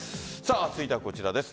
続いてはこちらです。